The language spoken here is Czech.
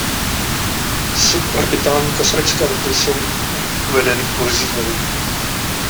Suborbitální kosmické lety jsou uvedeny "kurzívou".